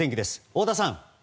太田さん。